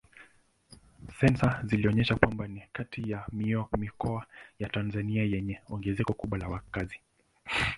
Sensa zinaonyesha kwamba ni kati ya mikoa ya Tanzania yenye ongezeko kubwa la wakazi.